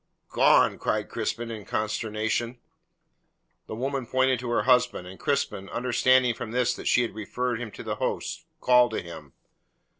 "Gone!" cried Crispin in consternation. The woman pointed to her husband, and Crispin, understanding from this that she referred him to the host, called to him.